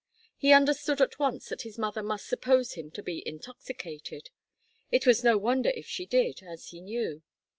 He understood at once that his mother must suppose him to be intoxicated. It was no wonder if she did, as he knew.